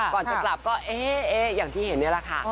ก่อนจะกลับก็เอ๊ะอย่างที่เห็นนี่แหละค่ะ